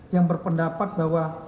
yang berpendapat bahwa